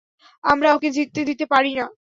আমরা ওকে জিততে দিতে পারি না।